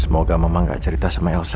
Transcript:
semoga mama gak cerita sama elsa